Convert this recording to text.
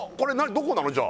どこなのじゃ？